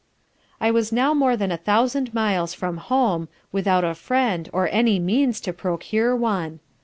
I was now more than a thousand miles from home, without a friend or any means to procure one.